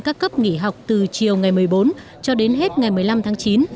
các cấp nghỉ học từ chiều ngày một mươi bốn cho đến hết ngày một mươi năm tháng chín